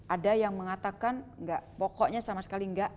ada yang mengatakan enggak pokoknya sama sekali enggak